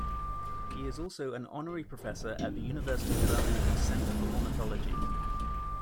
He is also an honorary Professor at the University of Birmingham's Centre for Ornithology.